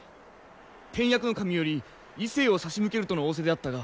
典薬頭より医生を差し向けるとの仰せであったが。